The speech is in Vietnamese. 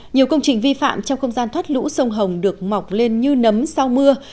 nhiều công trình vi phạm trong không gian thoát lũ sông hồng được mọc lên như nấm sau mưa